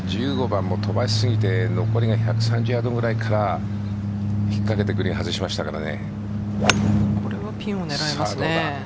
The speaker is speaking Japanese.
１５番も飛ばしすぎて残りが１３０ヤードぐらいから引っかけてグリーン外しましたから。